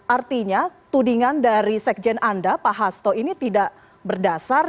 artinya tudingan dari sekjen anda pak hasto ini tidak berdasar